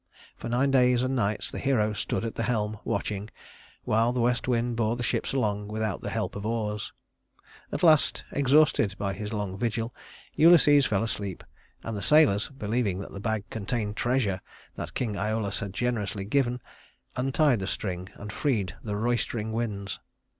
For nine days and nights the hero stood at the helm watching, while the west wind bore the ships along without the help of oars. At last, exhausted by his long vigil, Ulysses fell asleep; and the sailors, believing that the bag contained treasure that King Æolus had generously given, untied the string and freed the roistering winds.